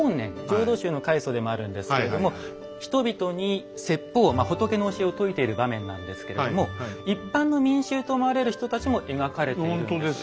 浄土宗の開祖でもあるんですけれども人々に説法仏の教えを説いている場面なんですけれども一般の民衆と思われる人たちも描かれているんです。